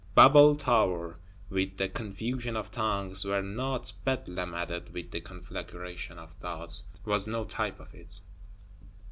Babel Tower, with the confusion of tongues, were not Bedlam added with the conflagration of thoughts, was no type of it.